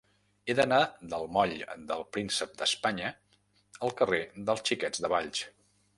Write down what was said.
He d'anar del moll del Príncep d'Espanya al carrer dels Xiquets de Valls.